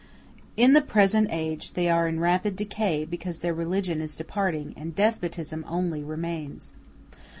In the present age they are in rapid decay, because their religion is departing, and despotism only remains.